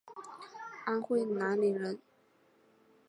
安徽南陵人。